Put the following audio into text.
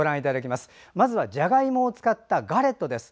まずは、じゃがいもを使ったガレットです。